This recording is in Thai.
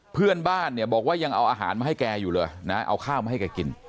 เพื่อนบ้านเนี่ยบอกว่ายังเอาอาหารมาให้แกอยู่เลยนะเอาข้าวมาให้แกกิน